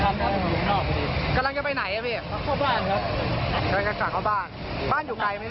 ตอนนั้นเวลาไฟลุกมันไหวไหมพี่